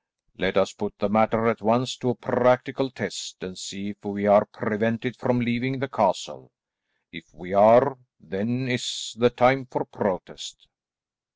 Let us put the matter at once to a practical test, and see if we are prevented from leaving the castle. If we are, then is the time for protest."